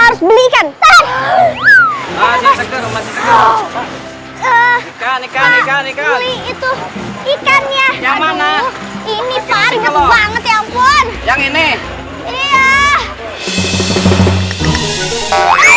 harus belikan kan ikan ikan ikan ikan itu ikannya yang mana ini pak banget ya ampun yang ini iya